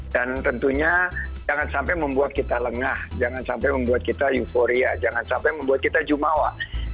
dan tentunya jangan sampai membuat kita lengah jangan sampai membuat kita euforia jangan sampai membuat kita jumawa